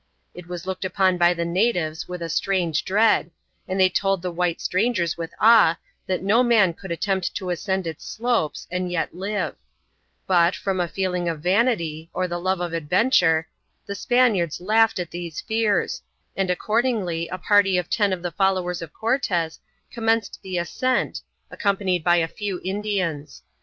It was looked upon by the natives with a strange dread, and they told the white strangers with awe that no man could attempt to ascend its slopes and yet live; but, from a feeling of vanity, or the love of adventure, the Spaniards laughed at these fears, and accordingly a party of ten of the followers of Cortes commenced the ascent, accompanied by a few Indians.